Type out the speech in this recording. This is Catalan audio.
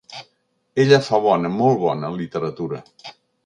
Ella fa bona, molt bona literatura.